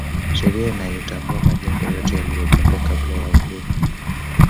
sheria inayatambua majengo yote yaliyojengwa kabla ya uhuru